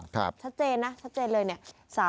ชัดเจนนะชัดเจนเลยเนี่ย